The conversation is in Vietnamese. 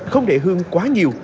không để hương quá nhiều